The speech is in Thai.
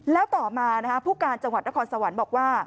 แล้วต่อมาผู้การจังหวัดนครสวรรค์บอกว่า